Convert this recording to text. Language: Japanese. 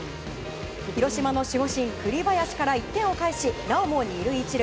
広島の守護神・栗林から１点を返し、なおも２塁１塁。